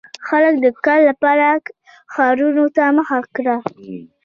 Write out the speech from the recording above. • خلک د کار لپاره ښارونو ته مخه کړه.